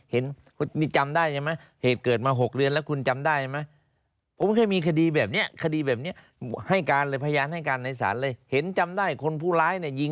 เห็นนี่จำได้ใช่ไหม